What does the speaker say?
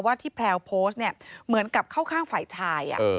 ที่แพลวโพสต์เนี่ยเหมือนกับเข้าข้างฝ่ายชาย